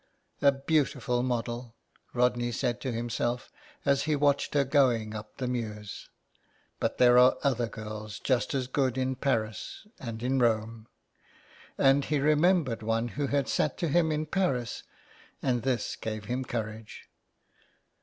" A beautiful model," Rodney said to himself, as he watched her going up the mews. " But there are other girls just as good in Paris and in Rome." And he remembered one who had sat to him in Paris, and this gave him courage.